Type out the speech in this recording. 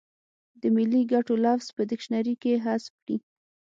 د ملي ګټو لفظ په ډکشنري کې حذف کړي.